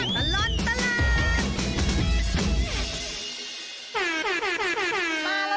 ชั่วตลอดตลาด